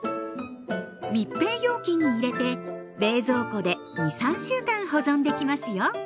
密閉容器に入れて冷蔵庫で２３週間保存できますよ。